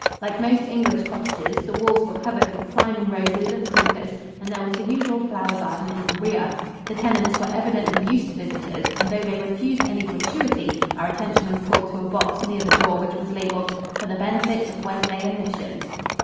Like most English cottages, the walls were covered with climbing roses and creepers and there was the usual flower garden in the rear. The tenants were evidently used to visitors, and though they refused any gratuity, our attention was called to a box near the door which was labeled, "For the benefit of Wesleyan Missions."